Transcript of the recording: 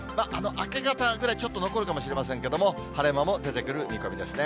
明け方ぐらい、ちょっと残るかもしれませんけれども、晴れ間も出てくる見込みですね。